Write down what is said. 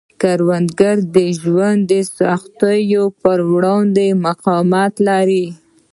کروندګر د ژوند د سختیو پر وړاندې مقاومت لري